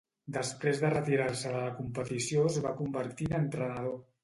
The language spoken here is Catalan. Després de retirar-se de la competició es va convertir en entrenador.